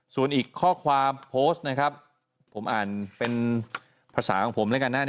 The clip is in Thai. ส่วนอีกข้อความโพสต์นะครับผมอ่านเป็นภาษาของผมแล้วกันนะ